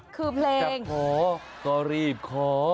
คือเพลงขอก็รีบขอ